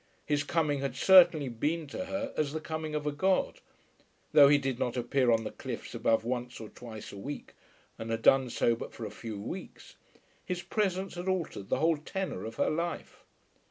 His coming had certainly been to her as the coming of a god. Though he did not appear on the cliffs above once or twice a week, and had done so but for a few weeks, his presence had altered the whole tenour of her life.